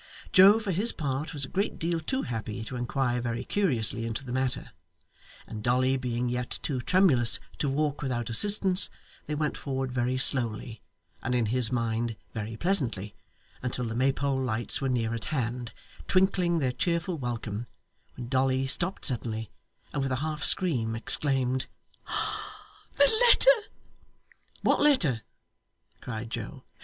Joe, for his part, was a great deal too happy to inquire very curiously into the matter; and Dolly being yet too tremulous to walk without assistance, they went forward very slowly, and in his mind very pleasantly, until the Maypole lights were near at hand, twinkling their cheerful welcome, when Dolly stopped suddenly and with a half scream exclaimed, 'The letter!' 'What letter?' cried Joe.